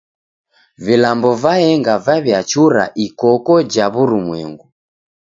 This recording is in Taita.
Vilambo vaenga vaw'iachura ikoko ja w'urumwengu.